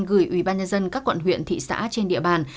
gửi ủy ban nhân dân các quận huyện thị xã trên địa bàn